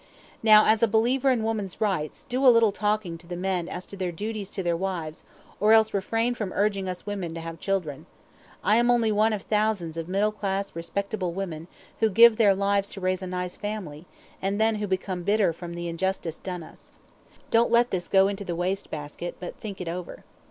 Now, as a believer in woman's rights, do a little talking to the men as to their duties to their wives, or else refrain from urging us women to have children. I am only one of thousands of middle class respectable women who give their lives to raise a nice family, and then who become bitter from the injustice done us. Don't let this go into the waste basket, but think it over.